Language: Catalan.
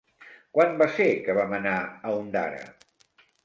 Quan va ser que vam anar a Ondara?